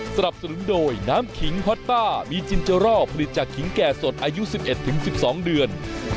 สนับสนุนโดยน้ำขิงฮอตป้ามีจินเจรอลผลิตจากขิงแก่สดอายุ๑๑๑๒เดือน